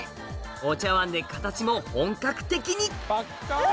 お茶わんで形も本格的にパッカン！